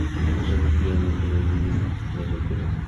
আশা করি, ক্রীড়া মন্ত্রণালয় বিষয়টিতে নজর দেবে।